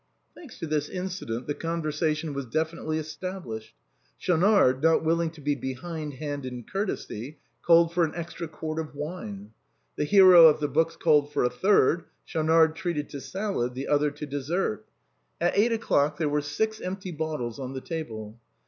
Thanks to this incident, the conversation was definitely established. Schaunard, not willing to be behindhand in courtesy, called for an extra quart of wine. The hero of the books called for a third. Schaunard treated to salad; the other to dessert. At eight o'clock there were six empty bottles on the table.